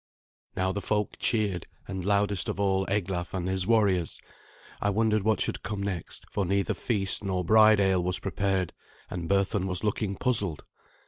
Now the folk cheered, and loudest of all honest Eglaf and his warriors. I wondered what should come next, for neither feast nor bride ale was prepared, and Berthun was looking puzzled.